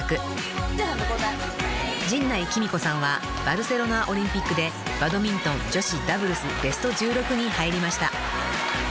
［バルセロナオリンピックでバドミントン女子ダブルスベスト１６に入りました］